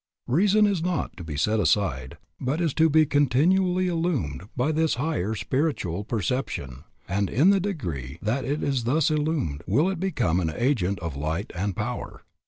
Reason is not to be set aside, but it is to be continually illumined by this higher spiritual perception, and in the degree that it is thus illumined will it become an agent of light and power.